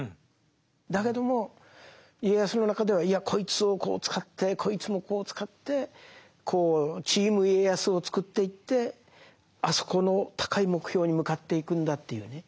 だけども家康の中ではいやこいつをこう使ってこいつもこう使ってチーム家康を作っていってあそこの高い目標に向かっていくんだっていうね